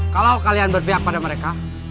kalau kalian berpihak pada mereka